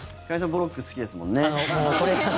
ブロック好きですもんね。